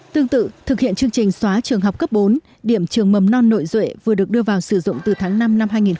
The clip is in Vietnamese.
tương tự thực hiện chương trình xóa trường học cấp bốn điểm trường mầm non nội duệ vừa được đưa vào sử dụng từ tháng năm năm hai nghìn một mươi chín